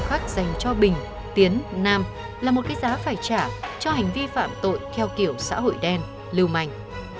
đơn khắc dành cho bình tiến nam là một cái giá phải trả cho hành vi phạm tội theo kiểu xã hội đen lưu mảnh